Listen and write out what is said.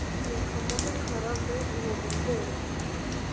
reka muhe karame uwo mubyeyi